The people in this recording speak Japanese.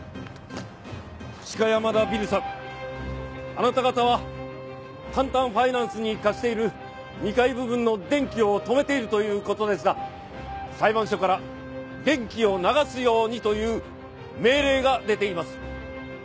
鹿山田ビルさんあなた方はタンタンファイナンスに貸している２階部分の電気を止めているという事ですが裁判所から電気を流すようにという命令が出ています。